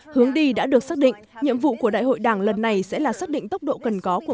hướng đi đã được xác định nhiệm vụ của đại hội đảng lần này sẽ là xác định tốc độ cần có của